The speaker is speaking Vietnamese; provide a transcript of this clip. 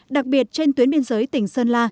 đặc biệt trên tuyến biên giới tỉnh sơn la